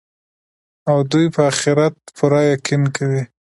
او دوى په آخرت پوره يقين كوي